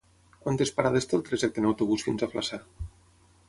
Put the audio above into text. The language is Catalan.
Quantes parades té el trajecte en autobús fins a Flaçà?